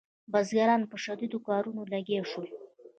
بزګران په شدیدو کارونو لګیا شول.